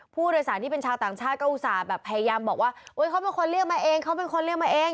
ผู้โดยสารที่เป็นชาวต่างชาติก็อุตส่าห์แบบพยายามบอกว่าเขาเป็นคนเรียกมาเองเขาเป็นคนเรียกมาเอง